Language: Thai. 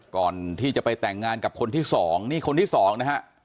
ก่อนที่จะไปแต่งงานกับคนที่สองนี่คนที่สองนะฮะ